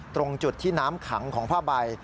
ตรงจุดที่น้ำขังของผ้าใบ